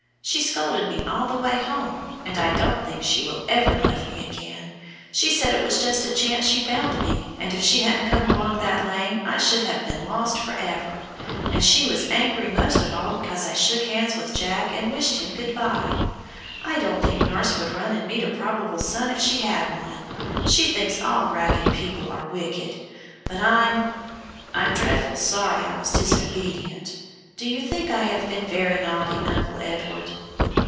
She scolded me all the way home, and I don't think she will ever love me again. She said it was just a chance she found me, and if she hadn't come along that lane I should have been lost forever! And she was angry most of all because I shook hands with Jack and wished him good bye. I don't think nurse would run and meet a probable son if she had one; she thinks all ragged people are wicked. But I'm I'm dreadful sorry I was disobedient. Do you think I have been very naughty, Uncle Edward?"